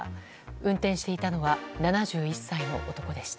運転していたのは７１歳の男でした。